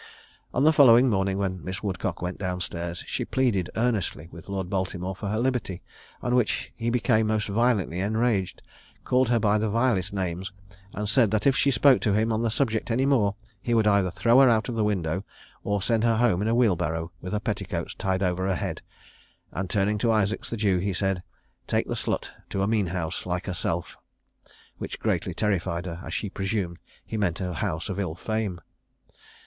On the following morning, when Miss Woodcock went down stairs, she pleaded earnestly with Lord Baltimore for her liberty; on which he became most violently enraged, called her by the vilest names, and said that if she spoke to him on the subject any more, he would either throw her out of the window, or send her home in a wheelbarrow with her petticoats tied over her head; and turning to Isaacs the Jew, he said, "Take the slut to a mean house like herself;" which greatly terrified her, as she presumed he meant a house of ill fame.